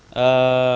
kalau hujannya kapan